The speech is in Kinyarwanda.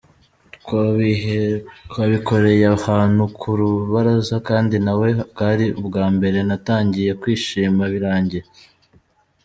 Twabikoreye ahantu ku rubaraza kandi na we bwari ubwa mbere; natangiye kwishima birangiye.